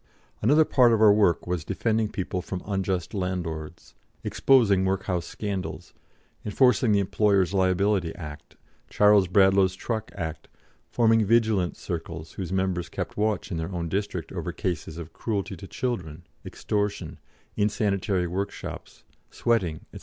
Another part of our work was defending people from unjust landlords, exposing workhouse scandals, enforcing the Employers' Liability Act, Charles Bradlaugh's Truck Act, forming "Vigilance Circles" whose members kept watch in their own district over cases of cruelty to children, extortion, insanitary workshops, sweating, &c.